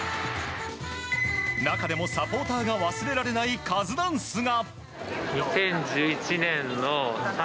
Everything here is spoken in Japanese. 中でもサポーターが忘れられないカズダンスが。